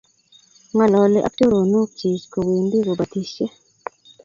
Ng'ololi ak choronok chich kowendi kubatisie